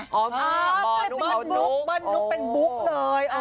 อ๋อยิบพอนุ๊คเบิ้ลนุ๊คเบิ้ลนุ๊คเป็นบุ๊กเลย